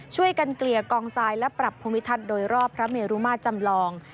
เกลี่ยกองทรายและปรับภูมิทัศน์โดยรอบพระเมรุมาตรจำลอง